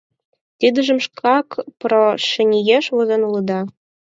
Тидыжым шкак прошениеш возен улыда.